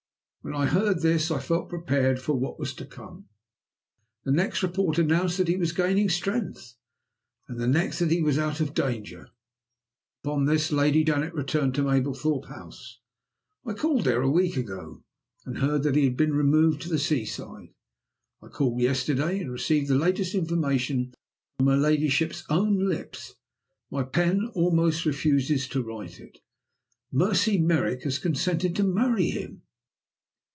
When I heard this I felt prepared for what was to come. The next report announced that he was gaining strength, and the next that he was out of danger. Upon this Lady Janet returned to Mablethorpe House. I called there a week ago and heard that he had been removed to the sea side. I called yesterday and received the latest information from her ladyship's own lips. My pen almost refuses to write it. Mercy Merrick has consented to marry him!